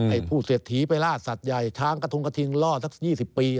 ไอ้ผู้เสร็จถีไฟลาดสัตว์ใหญ่ช้างกระทุ่งกระทิงรอสัก๒๐ปี